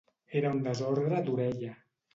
Era un desordre d'orella.